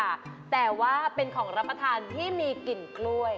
อันนี้คือขนมค่ะแต่ว่าเป็นของรับประทานที่มีกลิ่นกล้วย